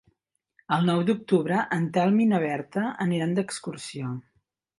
El nou d'octubre en Telm i na Berta aniran d'excursió.